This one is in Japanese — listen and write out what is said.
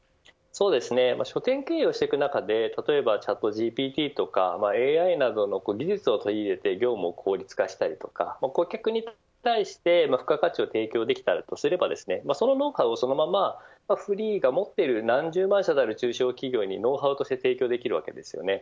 書店経営をしていく中で例えばチャットＧＰＴとかＡＩなどの技術を取り入れて業務を効率化したり顧客に対して付加価値を提供できればそのノウハウをそのままｆｒｅｅｅが持っている何十万社とある中小企業にノウハウとして提供できるわけです。